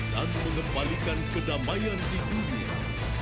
dan mengembalikan kedamaian di dunia